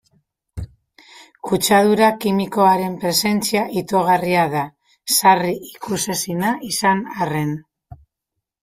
Kutsadura kimikoaren presentzia itogarria da, sarri ikusezina izan arren.